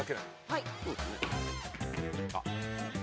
はい。